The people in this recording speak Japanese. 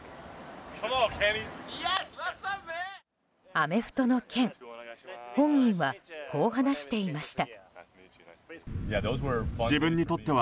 アメフトの件本人はこう話していました。